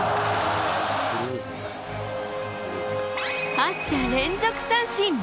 ８者連続三振！